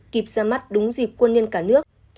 kịp ra mắt đúng dịp quân nhân cả nước